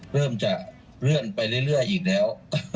เริ่มจะเลื่อนไปเรื่อยอีกแล้ว